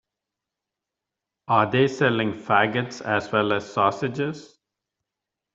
Are they selling faggots as well as sausages?